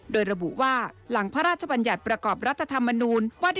โดยระบุว่าหลังพระราชบัญญัติประกอบรัฐธรรมนูญว่า